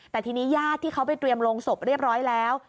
แต่ทีนี้ญาติที่เขาไปเตรียมลงศพเรียบร้อยแล้ว